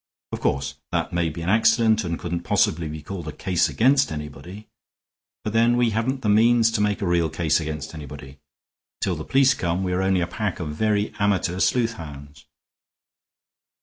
Of course, that may be an accident and couldn't possibly be called a case against anybody; but then we haven't the means to make a real case against anybody. Till the police come we are only a pack of very amateur sleuthhounds."